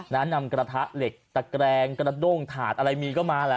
นำกระทะเหล็กตะแกรงกระด้งถาดอะไรมีก็มาแหละ